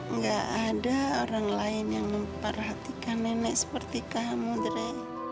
nggak ada orang lain yang memperhatikan nenek seperti kamu dre